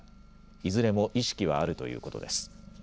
いずれも意識はあるということです。